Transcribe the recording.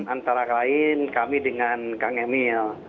antara lain kami dengan kang emil